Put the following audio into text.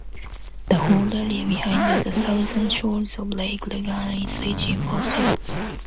The whole area behind the southern shores of Lake Lugano is rich in fossils.